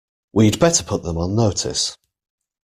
We'd better put them on notice